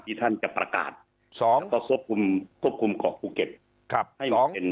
ที่ท่านจะประกาศสองแล้วก็ควบคุมควบคุมของภูเก็ตครับสอง